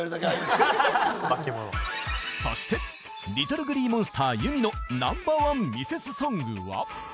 そして ＬｉｔｔｌｅＧｌｅｅＭｏｎｓｔｅｒ 結海のナンバーワンミセスソングは？